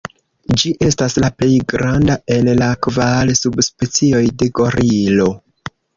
Ĝi estas la plej granda el la kvar subspecioj de gorilo.